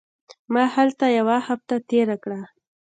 ما هلته یوه هفته تېره کړه.